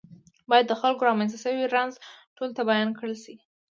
باید د خلکو رامنځته شوی رنځ ټولو ته بیان کړل شي.